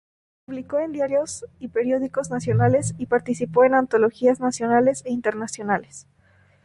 Publicó en diarios y periódicos nacionales y participó en antologías nacionales e internacionales.